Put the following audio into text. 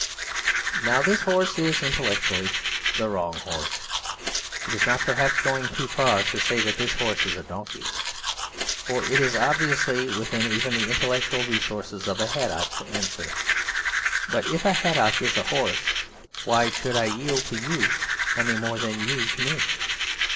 Now this horse is intellectually the wrong horse. It is not perhaps going too far to say that this horse is a donkey. For it is obviously within even the intellectual resources of a haddock to answer, "But if a haddock is a horse, why should I yield to you any more than you to me?